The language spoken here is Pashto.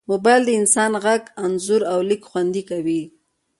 موبایل د انسان غږ، انځور، او لیک خوندي کوي.